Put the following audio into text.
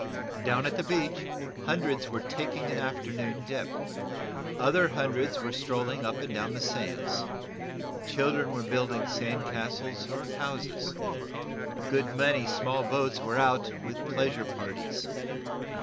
Down at the beach hundreds were taking an afternoon dip. Other hundreds were strolling up and down the sands. Children were building sand castles or houses. A good many small boats were out with pleasure parties.